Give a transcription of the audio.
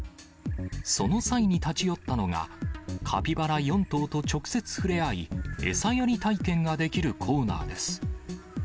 その際に立ち寄ったのが、カピバラ４頭と直接ふれあい、餌やり体験ができるコーナーです。